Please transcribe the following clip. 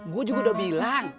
gue juga udah bilang